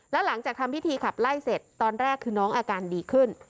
แล้วหลังจากทำพิธีขับไล่เสร็จตอนแรกคือน้องอาการดีขึ้น